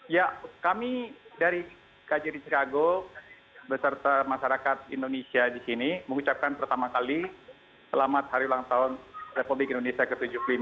ya kami dari kjri chicago beserta masyarakat indonesia di sini mengucapkan pertama kali selamat hari ulang tahun republik indonesia ke tujuh puluh lima